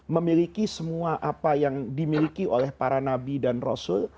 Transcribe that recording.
memiliki semua apa yang dimiliki oleh para nabi dan rasul